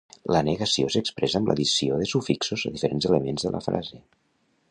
La negació s'expressa amb l'addició de sufixos a diferents elements de la frase.